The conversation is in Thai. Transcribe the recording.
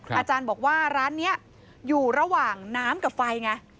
อาจารย์บอกว่าร้านนี้อยู่ระหว่างน้ำกับไฟไง